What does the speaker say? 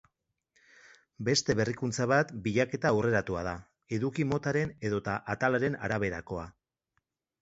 Beste berrikuntza bat bilaketa aurreratua da, eduki motaren edota atalaren araberakoa.